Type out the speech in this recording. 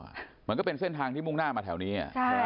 เหมือนก็เป็นเส้นทางที่มุ่งหน้ามาแถวนี้